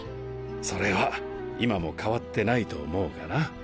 それは今も変わってないと思うがな。